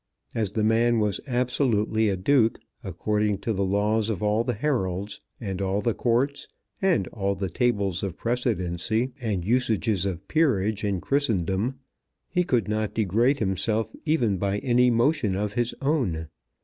As the man was absolutely a Duke, according to the laws of all the Heralds, and all the Courts, and all the tables of precedency and usages of peerage in Christendom, he could not de grade himself even by any motion of his own.